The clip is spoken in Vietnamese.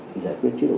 thì giải quyết chế độ